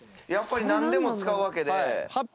やっぱり何でも使うわけで。